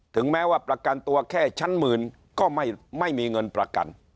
แม้ว่าประกันตัวแค่ชั้นหมื่นก็ไม่มีเงินประกัน